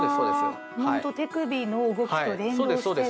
ほんと手首の動きと連動してね。